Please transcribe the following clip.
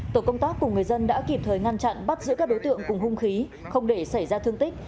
tổ công tác cùng người dân đã kịp thời ngăn chặn bắt giữ các đối tượng cùng hung khí không để xảy ra thương tích